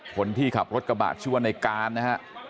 คนที่ขับรถกระบะชื่อว่าในการนะฮะ